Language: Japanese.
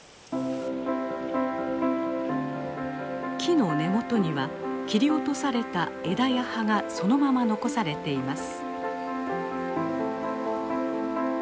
木の根元には切り落とされた枝や葉がそのまま残されています。